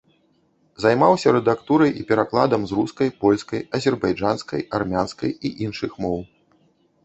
Займаўся рэдактурай і перакладам з рускай, польскай, азербайджанскай, армянскай і іншых моў.